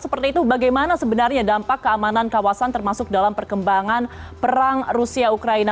seperti itu bagaimana sebenarnya dampak keamanan kawasan termasuk dalam perkembangan perang rusia ukraina